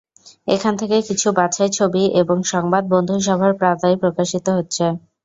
এখান থেকে কিছু বাছাই ছবি এবং সংবাদ বন্ধুসভার পাতায় প্রকাশিত হচ্ছে।